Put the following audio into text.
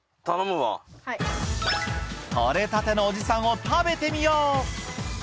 とれたてのオジサンを食べてみよう！